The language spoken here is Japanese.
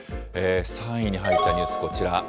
３位に入ったニュース、こちら。